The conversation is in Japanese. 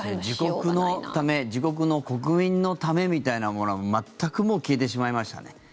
自国のため自国の国民のためみたいなものは全くもう消えてしまいましたね。